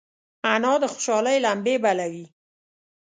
انا د خوشحالۍ لمبې بلوي